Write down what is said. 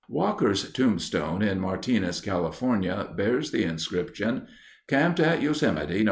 Walker's tombstone, in Martinez, California, bears the inscription, "Camped at Yosemite Nov.